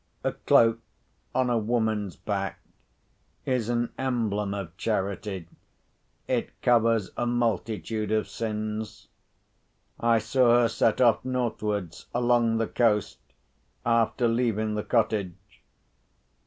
A cloak (on a woman's back) is an emblem of charity—it covers a multitude of sins. I saw her set off northwards along the coast, after leaving the cottage.